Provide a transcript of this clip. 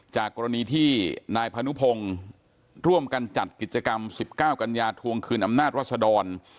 กรณีที่นายพนุพงศ์ร่วมกันจัดกิจกรรม๑๙กันยาทวงคืนอำนาจรัศดร